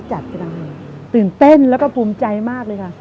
จัดอยู่ดังนั้นตื่นเต้นและภูมิใจมากเลยค่ะ